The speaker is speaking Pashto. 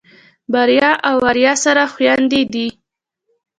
بريا او آريا سره خويندې دي.